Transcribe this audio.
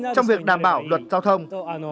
trong việc đảm bảo luật giao thông